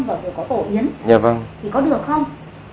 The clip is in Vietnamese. và vừa có cổ yến thì có được không